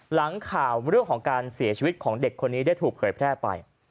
หลังข่าวเรื่องของการเสียชีวิตของเด็กคนนี้ได้ถูกเผยแพร่ไป